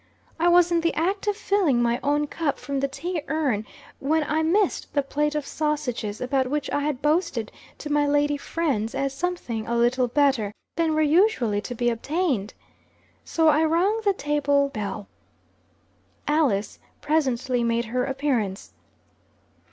I was in the act of filling my own cup from the tea urn, when I missed the plate of sausages, about which I had boasted to my lady friends as something a little better than were usually to be obtained. So I rung the table bell. Alice presently made her appearance.